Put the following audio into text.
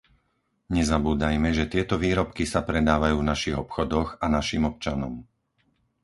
Nezabúdajme, že tieto výrobky sa predávajú v našich obchodoch a našim občanom.